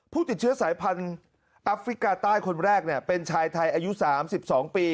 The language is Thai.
ผู้ติดเชื้อสายพันธุ์อัฟริกาใต้คนแรกเป็นชายไทยอายุ๓๒ปี